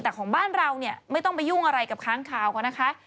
แต่ของบ้านเราเนี่ยไม่ต้องไปยุ่งอะไรกับค้างคาวเขานะคะ